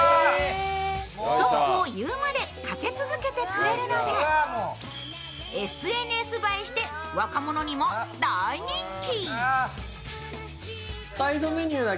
ストップを言うまでかけ続けてくれるのでＳＮＳ映えして若者にも大人気。